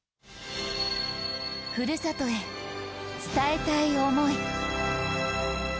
ふるさとへ、伝えたい思い。